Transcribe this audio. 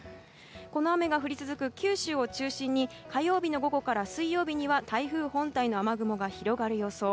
この雨が降り続く九州を中心に火曜日の午後から水曜日には台風本体の雨雲が広がる予想。